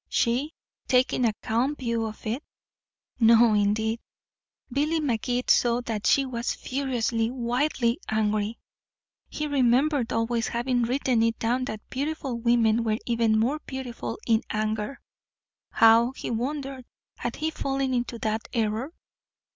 She taking a calm view of it? No, indeed. Billy Magee saw that she was furiously, wildly angry. He remembered always having written it down that beautiful women were even more beautiful in anger. How, he wondered, had he fallen into that error?